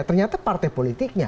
ternyata partai politiknya